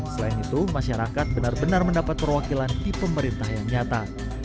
selain itu masyarakat benar benar mendapat perwakilan di pemerintah yang nyata